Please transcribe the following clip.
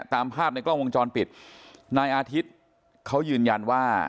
ตามภาพในกล้องวงจรปิดนายอาทิตย์เขายืนยันว่า